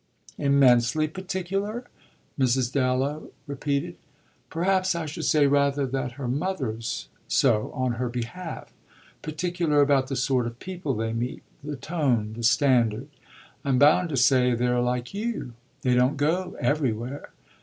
"Immensely particular?" Mrs. Dallow repeated. "Perhaps I should say rather that her mother's so on her behalf. Particular about the sort of people they meet the tone, the standard. I'm bound to say they're like you: they don't go everywhere.